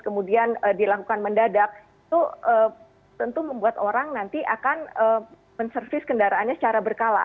kemudian dilakukan mendadak itu tentu membuat orang nanti akan menservis kendaraannya secara berkala